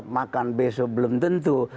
makan besok belum tentu